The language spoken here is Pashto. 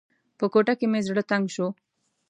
په کوټه کې مې زړه تنګ شو.